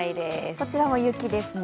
こちらも雪ですね。